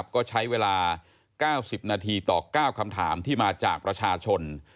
ก็ใช้เวลา๙๐นาทีต่อ๙คำถามที่มาจากประชาชน